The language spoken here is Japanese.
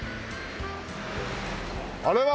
あれは？